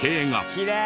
きれい！